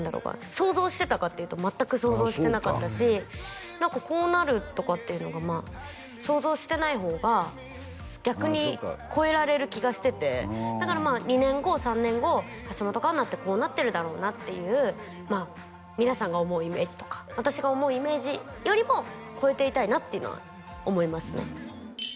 想像してたかっていうと全く想像してなかったし何かこうなるとかっていうのが想像してない方が逆に超えられる気がしててだから２年後３年後橋本環奈ってこうなってるだろうなっていう皆さんが思うイメージとか私が思うイメージよりも超えていたいなっていうのは思いますね